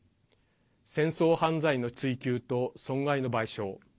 戦争犯罪の追及と損害の賠償。